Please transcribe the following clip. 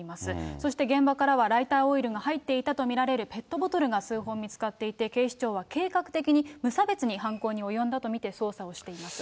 そして現場からはライターオイルが入っていたと見られる、ペットボトルが数本見つかっていて、警視庁は計画的に無差別に犯行に及んだと見て捜査をしています。